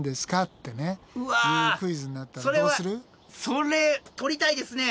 それ取りたいですね。